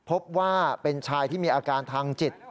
พบว่าเป็นชายที่มีอาการทางจิต